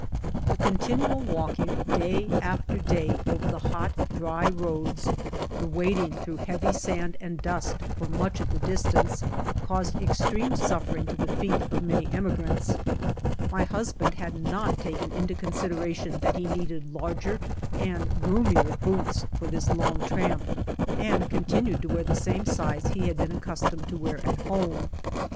The continual walking day after day over the hot, dry roads, the wading through heavy sand and dust for much of the distance, caused extreme suffer ing to the feet of many emigrants. My husband had not taken into consideration that he needed larger and roomier boots for this long tramp and continued to wear the same size he had been accustomed to wear at home.